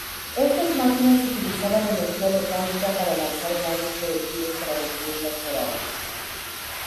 Estas máquinas utilizaban energía mecánica para lanzar grandes proyectiles para destruir las murallas.